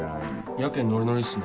やけにノリノリっすね。